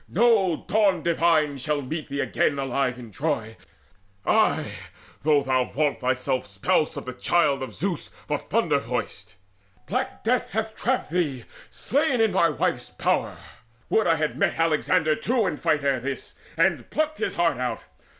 No dawn divine shall meet thee again Alive in Troy ay, though thou vaunt thyself Spouse of the child of Zeus the thunder voiced! Black death hath trapped thee slain in my wife's bower! Would I had met Alexander too in fight Ere this, and plucked his heart out!